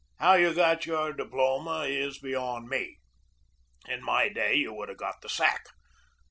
How you got your diploma is beyond me in my day you would have got the sack.